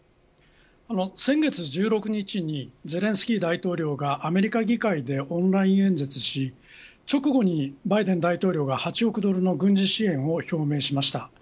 先月１６日にゼレンスキー大統領がアメリカ議会でオンライン演説し直後に、バイデン大統領が８億ドルの軍事支援を表明しました。